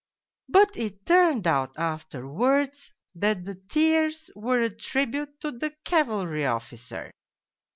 But it turned out afterwards that the tears were a tribute to the cavalry officer.